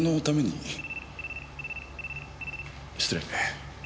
失礼。